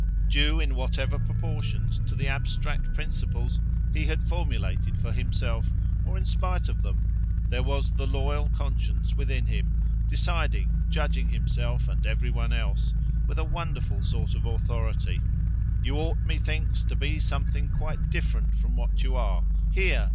Due, in whatever proportions, to the abstract principles he had formulated for himself, or in spite of them, there was the loyal conscience within him, deciding, judging himself and every one else, with a wonderful sort of authority:—You ought, methinks, to be something quite different from what you are; here!